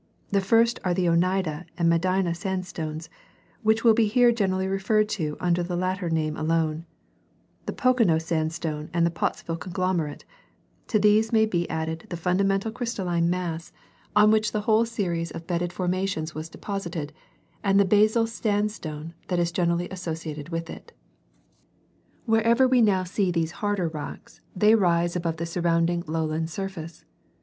The first are "the Oneida and Medina sandstones, which will be here generally referred to under the latter name alone, the Pocono sandstone and the Pottsville conglomerate ; to these may be added the fundamental crystalline mass on which 192 National GeograpJiia Magazine. the whole series of bedded formations was deposited, and the basal sandstone that is generally associated with it. Wherever we now see these harder rocks, they rise above the surrounding lowland surface.